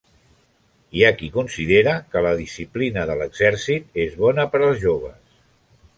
Hi ha qui considera que la disciplina de l'exèrcit és bona per als joves.